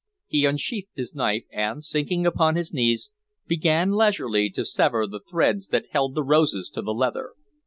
He unsheathed his knife, and, sinking upon his knees, began leisurely to sever the threads that held the roses to the leather.